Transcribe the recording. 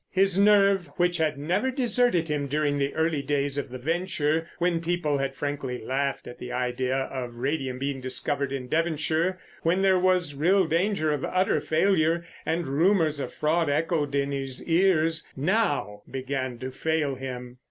His nerve, which had never deserted him during the early days of the venture, when people had frankly laughed at the idea of radium being discovered in Devonshire, when there was real danger of utter failure, and rumours of fraud echoed in his ears, now began to fail him.